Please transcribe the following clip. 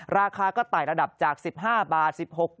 ราคาก็ไต่ระดับจาก๑๕บาท๑๖บาท